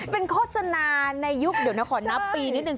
เป็นโฆษณาในยุคเดี๋ยวนะขอนับปีนิดนึง